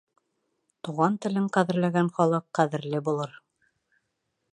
Туған телен ҡәҙерләгән халыҡ ҡәҙерле булыр.